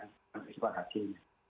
nanti kita berhasil